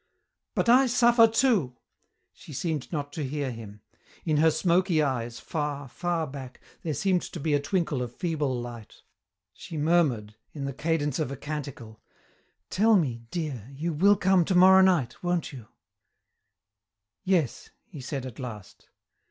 "But I suffer too!" She seemed not to hear him. In her smoky eyes, far, far back, there seemed to be a twinkle of feeble light. She murmured, in the cadence of a canticle, "Tell me, dear, you will come tomorrow night, won't you?" "Yes," he said at last.